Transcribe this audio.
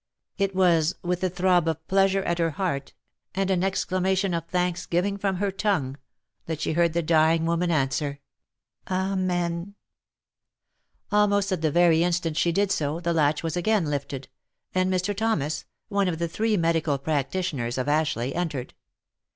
It was with a throb of pleasure at her heart, and an exclamation of thanksgiving from her tongue, that she heard the dying woman answer " Amen !" Almost at the very instant she did so, the latch was again lifted, and Mr. Thomas, one of the three medical practitioners of Ashleigh, entered.